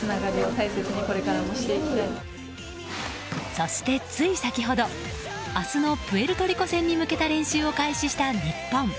そして、つい先ほど明日のプエルトリコ戦に向けた練習を開始した日本。